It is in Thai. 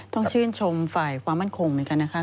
ต้องชื่นชมฝ่ายความมั่นคงเหมือนกันนะคะ